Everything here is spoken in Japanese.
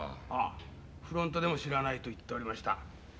ああフロントでも「知らない」と言っておりました。